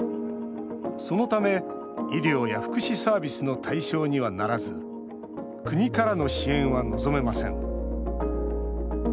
そのため、医療や福祉サービスの対象にはならず国からの支援は望めません。